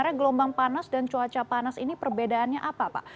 jadi gelombang panas dan cuaca panas ini perbedaannya apa pak